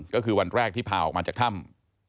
ก็คือวันแรกที่พาออกมาจากถ้ำ